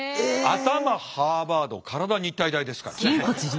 頭ハーバード体日体大ですから。